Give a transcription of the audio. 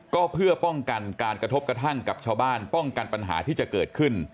ก็เพื่อป้องกันการกระทบกระทั่งกับชาวบ้านป้องกันปัญหาที่จะเกิดขึ้น